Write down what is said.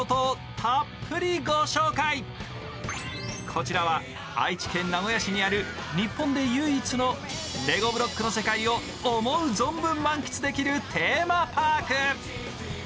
こちらは愛知県名古屋市にある日本で唯一のレゴブロックの世界を思う存分満喫できるテーマパーク。